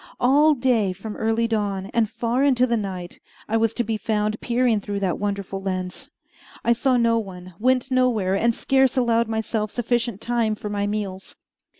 All day from early dawn, and far into the night, I was to be found peering through that wonderful lens. I saw no one, went nowhere, and scarce allowed myself sufficient time for my meals.